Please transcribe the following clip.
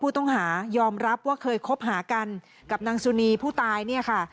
ผู้ต้องหายอมรับว่าเคยคบหากันกับนางสุนีผู้ตายเนี่ยค่ะ